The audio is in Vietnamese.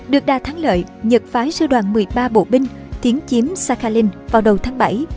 được đà thắng lợi nhật phái sư đoàn một mươi ba bộ binh tiến chiếm sakhalin vào đầu tháng bảy